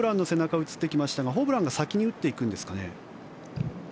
今田さん、今、ホブランの背中が映ってきましたがホブランが先に打っていくんですかね？